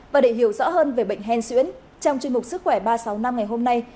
và để hiểu rõ hơn về bệnh hen xuyễn trong chương trình sức khỏe ba trăm sáu mươi năm ngày hôm nay